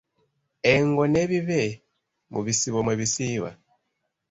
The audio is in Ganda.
Engo n’ebibe mu bisibo mwe bisiiba.